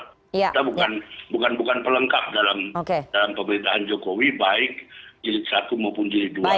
kita bukan pelengkap dalam pemerintahan jokowi baik jenis satu maupun jenis dua